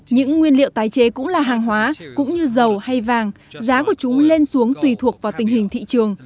những nguyên liệu tái chế cũng là hàng hóa cũng như dầu hay vàng giá của chúng lên xuống tùy thuộc vào tình hình thị trường